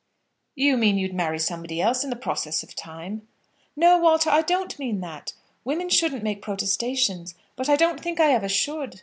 "You mean you'd marry somebody else in the process of time." "No, Walter; I don't mean that. Women shouldn't make protestations; but I don't think I ever should.